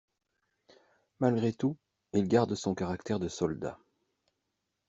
Malgré tout, il garde son caractère de soldat.